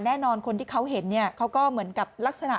แน่นอนคนที่เขาเห็นเขาก็เหมือนกับลักษณะ